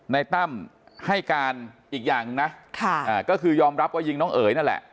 ตั้มให้การอีกอย่างหนึ่งนะก็คือยอมรับว่ายิงน้องเอ๋ยนั่นแหละ